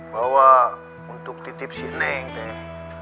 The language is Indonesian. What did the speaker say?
bahwa untuk titip si neng tete